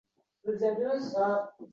Dada, siz ham yuring, birga boraylik, dedi